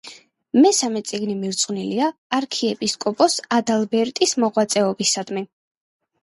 მესამე წიგნი მიძღვნილია არქიეპისკოპოს ადალბერტის მოღვაწეობისადმი.